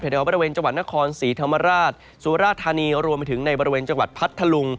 แถวบริเวณจังหวัดนครศรีธรรมราชสุราธานีรวมไปถึงในบริเวณจังหวัดพัทธลุง